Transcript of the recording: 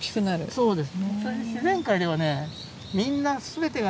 そうです。